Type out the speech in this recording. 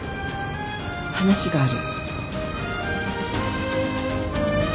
話がある。